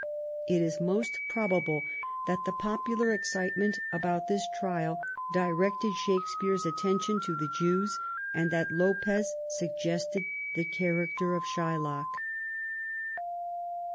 It is most probable that the popular excitement about this trial directed Shakespeare's attention to the Jews, and that Lopez suggested the character of Shylock.